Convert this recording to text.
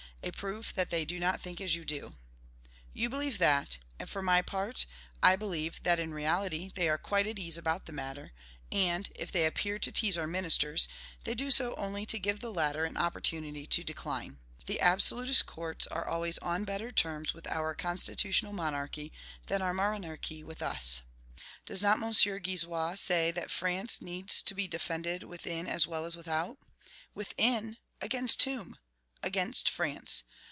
a proof that they do not think as you do." You believe that; and, for my part, I believe that in reality they are quite at ease about the matter; and, if they appear to tease our ministers, they do so only to give the latter an opportunity to decline. The absolutist courts are always on better terms with our constitutional monarchy, than our monarchy with us. Does not M. Guizot say that France needs to be defended within as well as without? Within! against whom? Against France.